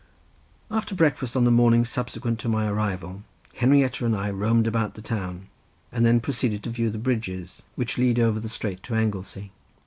After breakfast on the morning subsequent to my arrival, Henrietta and I roamed about the town, and then proceeded to view the bridges which lead over the strait to Anglesey.